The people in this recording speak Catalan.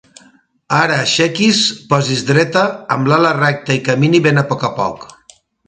Ara aixequi's, posi's dreta, amb l'ala recta i camini ben a poc a poc.